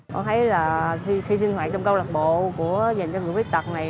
tôi thấy là khi sinh hoạt trong câu lạc bộ dành cho người quyết tật này